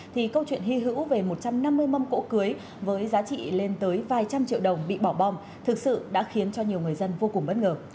thì câu chuyện hy hữu về một trăm năm mươi mâm cỗ cưới với giá trị lên tới vài trăm triệu đồng bị bỏ bom thực sự đã khiến cho nhiều người dân vô cùng bất ngờ